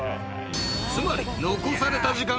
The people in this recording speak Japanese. ［つまり残された時間は５時間］